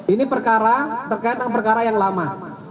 ini perkara terkait dengan perkara yang lama